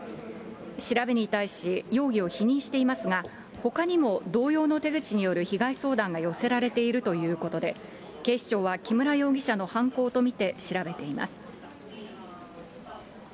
調べに対し、容疑を否認していますが、ほかにも同様の手口による被害相談が寄せられているということで、警視庁は木村容疑者の犯行と見て調べています。